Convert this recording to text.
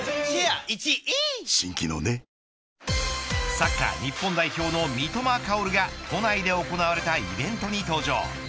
サッカー日本代表の三笘薫が都内で行われたイベントに登場。